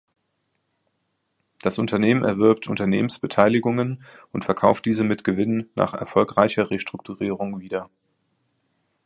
Das Unternehmen erwirbt Unternehmensbeteiligungen und verkauft diese mit Gewinn nach erfolgreicher Restrukturierung wieder.